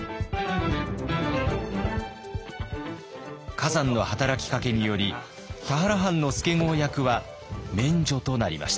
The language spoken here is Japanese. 崋山の働きかけにより田原藩の助郷役は免除となりました。